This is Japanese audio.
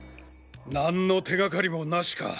何の手がかりもなしか。